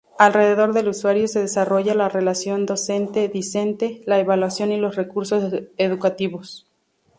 Alrededor del usuario se desarrolla la relación docente-discente, la evaluación y los recursos educativos.